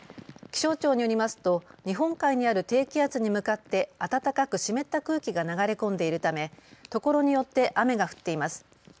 気象庁によりますと日本海にある低気圧に向かって暖かく湿った空気が流れ込んでいるため、ところによって雨が降っています。